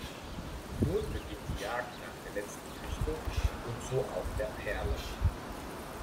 Nun beginnt die Jagd nach der letzten Büste und so auch der Perle.